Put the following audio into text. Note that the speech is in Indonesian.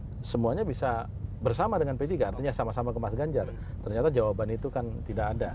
dan saya mohon semuanya bisa bersama dengan p tiga artinya sama sama ke mas ganjar ternyata jawaban itu kan tidak ada